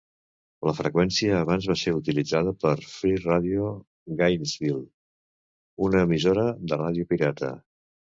La freqüència abans va ser utilitzada per "Free Radio Gainesville", una emissora de ràdio pirata.